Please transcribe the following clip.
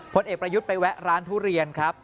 ผลเอกประยุทธ์ไปแวะร้านทุเรียนครับ